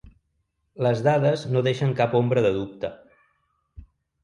Les dades no deixen cap ombra de dubte.